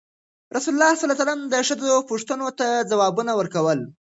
رسول ﷺ د ښځو پوښتنو ته ځوابونه ورکول.